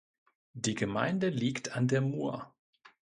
Die Gemeinde liegt an der Mur.